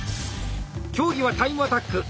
競技はタイムアタック。